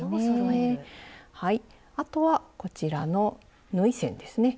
あとはこちらの縫い線ですね。